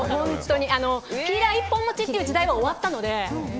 ピーラー１本持ちという時代は終わったので。